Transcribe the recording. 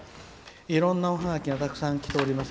いろんなおハガキがたくさんきております。